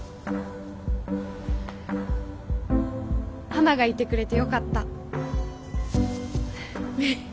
花がいてくれてよかった。